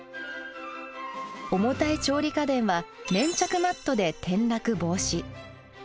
重たい調理家電は粘着マットで転落防止。